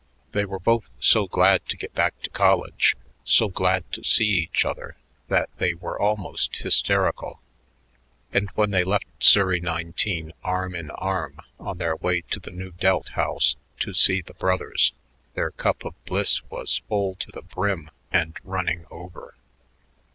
They were both so glad to get back to college, so glad to see each other, that they were almost hysterical. And when they left Surrey 19 arm in arm on their way to the Nu Delta house "to see the brothers," their cup of bliss was full to the brim and running over.